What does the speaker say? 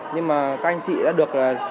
nhưng mà các anh chị đã được